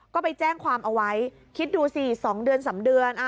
ก็ไปแจ้งความเอาไว้คิดดูสิ๒เดือน๓เดือน